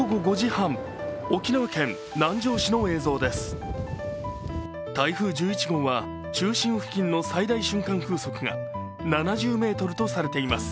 台風１１号は中心付近の最大瞬間風速が７０メートルとされています。